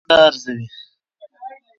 ساینسپوهان دا ارزوي.